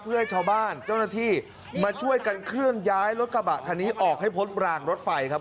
เพื่อให้ชาวบ้านเจ้าหน้าที่มาช่วยกันเคลื่อนย้ายรถกระบะคันนี้ออกให้พ้นรางรถไฟครับ